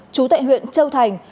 chú tại huyện châu thành